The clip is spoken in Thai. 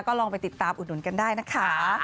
ก็ลองไปติดตามอุดหนุนกันได้นะคะ